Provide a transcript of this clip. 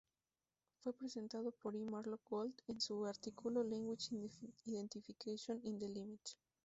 Fue presentado por E. Mark Gold en su artículo ""Language identification in the limit"".